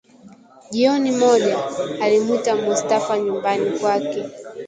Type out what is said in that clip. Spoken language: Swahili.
Jioni moja, alimwita Mustafa nyumbani kwake